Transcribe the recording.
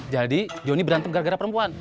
jadi johnny berantem gara gara perempuan